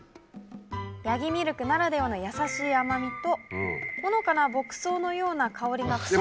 ヤギミルクならではのやさしい甘みとほのかな牧草のような香りがクセになる。